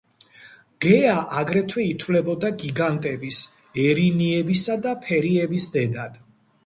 გეა აგრეთვე ითვლებოდა გიგანტების, ერინიებისა და ფერიების დედად.